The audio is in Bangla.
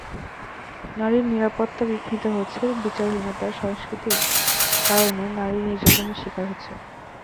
নারীর নিরাপত্তা বিঘ্নিত হচ্ছে এবং বিচারহীনতার সংস্কৃতির কারণে নারী নির্যাতনের শিকার হচ্ছে।